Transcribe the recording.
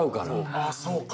ああそうか。